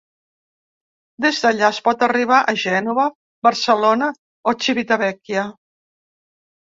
Des d’allà es pot arribar a Gènova, Barcelona o Civitavecchia.